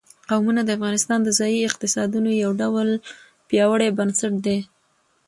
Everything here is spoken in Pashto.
قومونه د افغانستان د ځایي اقتصادونو یو ډېر پیاوړی بنسټ دی.